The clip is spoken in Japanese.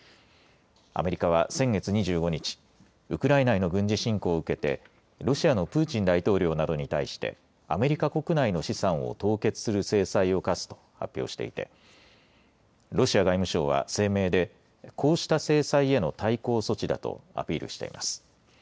アメリカは先月２５日、ウクライナへの軍事侵攻を受けてロシアのプーチン大統領などに対してアメリカ国内の資産を凍結する制裁を科すと発表していてロシア外務省は声明でこうした制裁への対抗措置だとアピールしています。